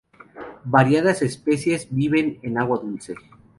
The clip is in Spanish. Variadas especies viven en agua dulce.